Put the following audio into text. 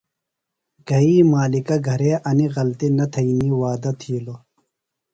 گھئی مالِکہ گھرے انیۡ غلطی نہ تھئینی وعدہ تِھیلوۡ۔